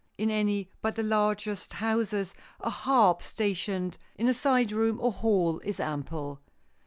In any but the largest houses a harp stationed in a side room or hall is ample.